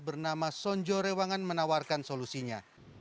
bernama sonjo rewangan menawarkan solusinya